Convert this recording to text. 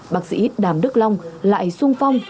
bác sĩ đàm đức long lại sung phong